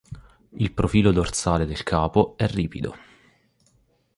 Il profilo dorsale del capo è ripido.